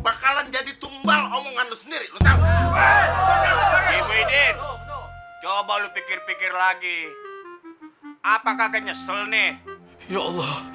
bakalan jadi tumbal omongan sendiri coba lu pikir pikir lagi apakah nyesel nih ya allah